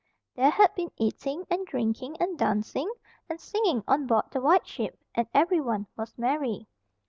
There had been eating, and drinking, and dancing, and singing on board the White Ship, and everyone was merry.